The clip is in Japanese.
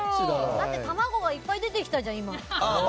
だって卵が最初にいっぱい出てきたじゃん。